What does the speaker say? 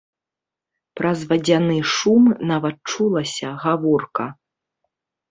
Праз вадзяны шум нават чулася гаворка.